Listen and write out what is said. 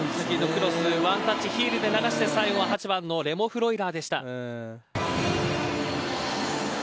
クロス、ワンタッチヒールで流して最後８番のレモ・フロイラーでした。